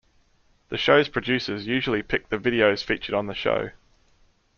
The show's producers usually pick the videos featured on the show.